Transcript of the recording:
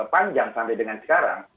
panjang sampai dengan sekarang